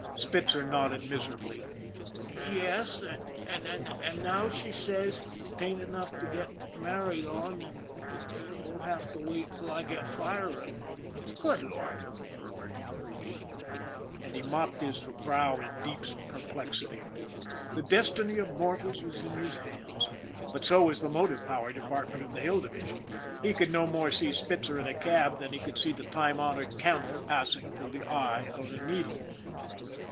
Spitzer nodded miserably. ;< Yes, an' now she says 'tain't enough to get married on, an' an' we'll have to wait till I get firing." " Good Lord !" murmured Regan, and he mopped 78 ON THE IRON AT BIG CLOUD his brow in deep perplexity. The destiny of mortals was in his hands but so was the motive power de partment of the Hill Division. He could no more see Spitzer in a cab than he could see the time honored camel passing through the eye of a needle.